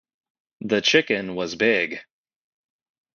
The chicken was big